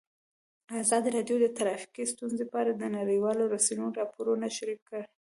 ازادي راډیو د ټرافیکي ستونزې په اړه د نړیوالو رسنیو راپورونه شریک کړي.